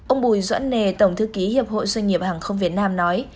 ông bùi doãn nề tổng thư ký hiệp hội doanh nghiệp hàng không việt nam nói